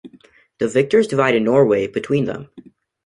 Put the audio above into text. The victors divided Norway between them.